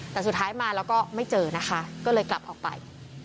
แต่สุดท้ายมาแล้วก็ไม่เจอนะคะก็เลยกลับออกไป